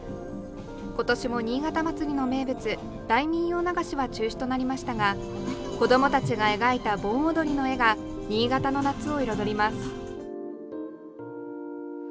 今年も「新潟まつり」の名物「大民謡流し」は中止となりましたが子どもたちが描いた盆踊りの絵が新潟の夏を彩ります。